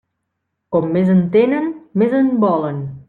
Com més en tenen, més en volen.